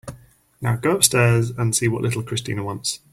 Now go upstairs and see what little Christina wants.